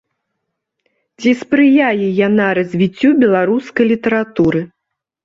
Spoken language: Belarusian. Ці спрыяе яна развіццю беларускай літаратуры?